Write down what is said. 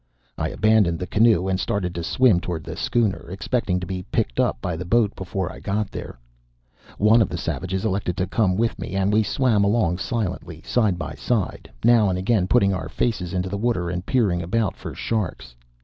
I abandoned the canoe and started to swim toward the schooner, expecting to be picked up by the boat before I got there. One of the niggers elected to come with me, and we swam along silently, side by side, now and again putting our faces into the water and peering about for sharks.